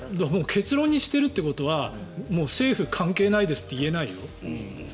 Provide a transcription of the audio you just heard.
結論にしてるってことは政府関係ないですって言えないよ。